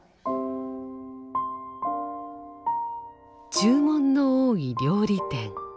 「注文の多い料理店」。